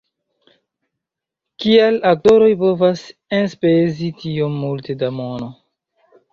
"Kial aktoroj povas enspezi tiom multe da mono!